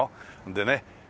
でね